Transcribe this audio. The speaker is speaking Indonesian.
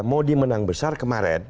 modi menang besar kemarin